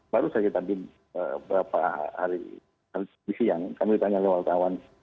baru saja tadi beberapa hari di siang kami ditanya ke wakil kawan